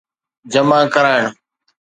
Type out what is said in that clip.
جمع ڪرائڻ